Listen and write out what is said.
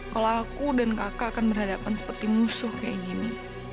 kalau aku dan kakak akan berhadapan seperti musuh kayak gini